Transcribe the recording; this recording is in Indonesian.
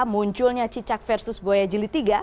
munculnya cicak versus buaya jelitiga